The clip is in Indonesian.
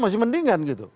masih mendingan gitu